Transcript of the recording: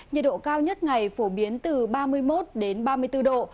nhiệt độ cao nhất ngày phổ biến từ ba mươi một ba mươi bốn độ